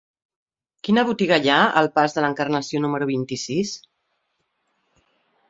Quina botiga hi ha al pas de l'Encarnació número vint-i-sis?